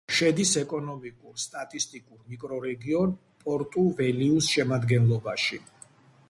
შედის ეკონომიკურ-სტატისტიკურ მიკრორეგიონ პორტუ-ველიუს შემადგენლობაში.